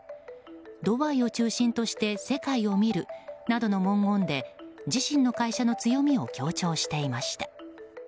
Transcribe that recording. ドバイを中心として世界を見るなどの文言で自身の会社の強みを強調していました。